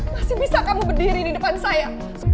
masih bisa kamu berdiri di depan saya